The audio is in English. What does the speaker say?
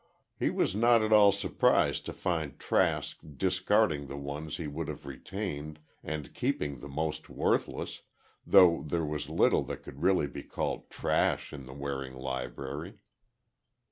He was not at all surprised to find Trask discarding the ones he would have retained and keeping the most worthless—though there was little that could really be called trash in the Waring library.